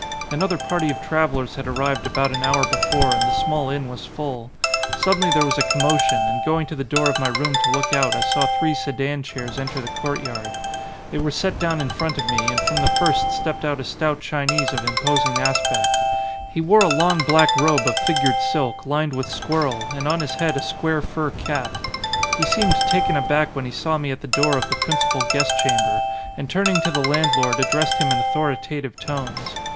Another party of travellers had arrived about an hour before and the small inn was full. Suddenly there was a commotion and going to the door of my room to look out I saw three sedan chairs enter the court yard. They were set down in front of me and from the first stepped out a stout Chinese of im posing aspect. He wore a long black robe of fig ured silk, lined with squirrel, and on his head a square fur cap. He seemed taken aback when he saw me at the door of the principal guest chamber and turning to the landlord addressed him in authoritative tones.